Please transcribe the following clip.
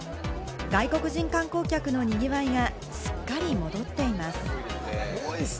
外国人観光客の賑わいがすっかり戻っています。